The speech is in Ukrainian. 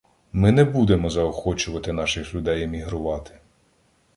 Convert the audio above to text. «Ми не будемо заохочувати наших людей емігрувати»